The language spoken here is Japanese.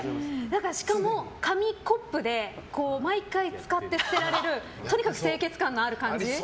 しかも、紙コップで毎回使って捨てられるとにかく清潔感のある感じ。